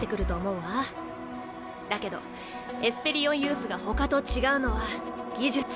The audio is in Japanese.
だけどエスペリオンユースがほかと違うのは技術！